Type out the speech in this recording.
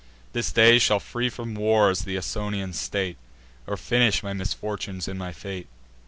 This day shall free from wars th' Ausonian state, Or finish my misfortunes in my fate."